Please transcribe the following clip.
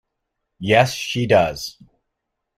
Yes, she does.